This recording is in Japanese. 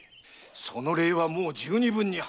「その礼はもう十二分に果たした。